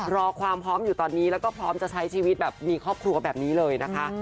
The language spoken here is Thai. รอความพร้อมอยู่ตอนนี้แล้วก็พร้อมจะใช้ชีวิตแบบมีครอบครัวแบบนี้เลยนะคะ